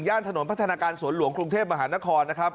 ถนนพัฒนาการสวนหลวงกรุงเทพมหานครนะครับ